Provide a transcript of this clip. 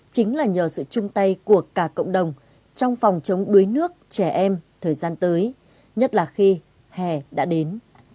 chính là nhờ sự chung tay của cả cộng đồng trong phòng chống đuối nước trẻ em thời gian tới nhất là khi hè đã đến